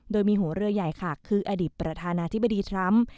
โดยมีหัวเรือใหญ่ค่ะคืออดีตประธานาธิบดีทรัมป์